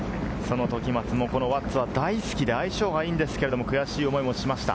時松もこの輪厚は大好きで、相性はいいんですけれど、悔しい思いもしました。